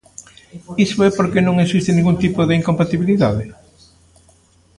¿Iso é porque non existe ningún tipo de incompatibilidade?